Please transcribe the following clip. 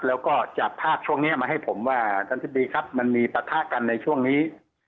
แล้วก็จับภาพช่วงนี้มาให้ผมว่าท่านธิบดีครับมันมีปะทะกันในช่วงนี้